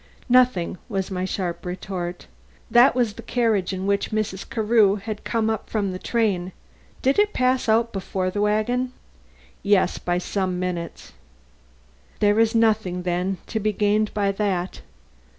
"Nothing," was my sharp retort. "That was the carriage in which Mrs. Carew had come up from the train. Did it pass out before the wagon?" "Yes, by some minutes." "There is nothing, then, to be gained by that."